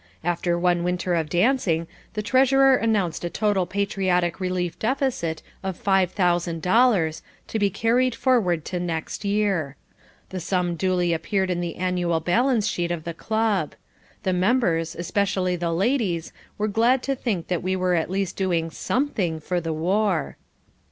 After one winter of dancing the treasurer announced a total Patriotic Relief Deficit of five thousand dollars, to be carried forward to next year. This sum duly appeared in the annual balance sheet of the club. The members, especially the ladies, were glad to think that we were at least doing SOMETHING for the war.